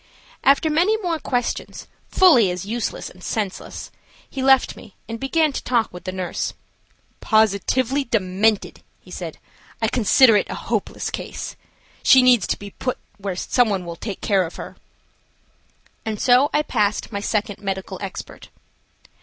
After many more questions, fully as useless and senseless, he left me and began to talk with the nurse. "Positively demented," he said. "I consider it a hopeless case. She needs to be put where some one will take care of her." And so I passed my second medical expert.